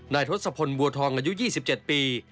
ทศพลบัวทองอายุ๒๗ปี